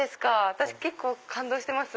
私結構感動してます。